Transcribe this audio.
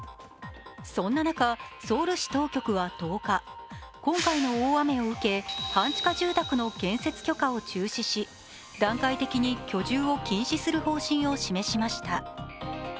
そんな中、ソウル市当局は１０日、今回の大雨を受け半地下住宅の建設許可を中止し、段階的に居住を禁止する方針を示しました。